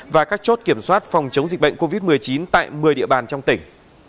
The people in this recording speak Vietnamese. và các chốt kiểm soát phòng chống dịch bệnh covid một mươi chín tại một mươi địa bàn trong tỉnh